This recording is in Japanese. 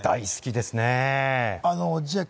大好きですね。